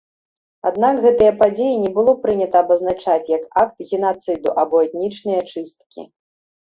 Аднак, гэтыя падзеі не было прынята абазначаць як акт генацыду або этнічныя чысткі.